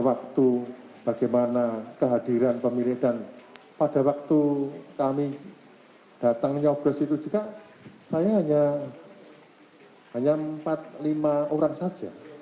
waktu bagaimana kehadiran pemilih dan pada waktu kami datang nyoblos itu juga saya hanya empat lima orang saja